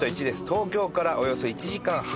東京からおよそ１時間半。